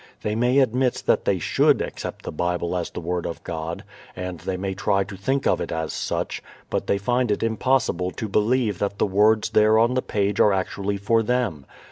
They may admit that they should accept the Bible as the Word of God, and they may try to think of it as such, but they find it impossible to believe that the words there on the page are actually for them.